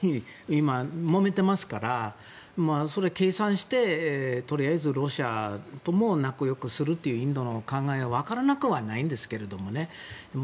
今もめていますからそれを計算して、とりあえずロシアとも仲よくするというインドの考えはわからなくはないんですけどもね。